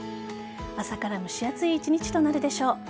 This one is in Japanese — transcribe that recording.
朝から蒸し暑い１日となるでしょう。